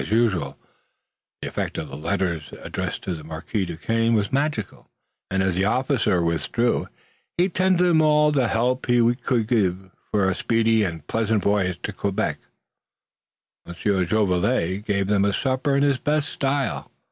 As usual the effect of the letters addressed to the Marquis Duquesne was magical, and, as the officer withdrew, he tendered them all the help he could give for a speedy and pleasant voyage to Quebec. Monsieur Jolivet gave them a supper in his best style.